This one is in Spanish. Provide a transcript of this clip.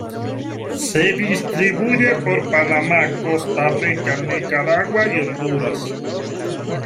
Se distribuye por Panamá, Costa Rica, Nicaragua y Honduras.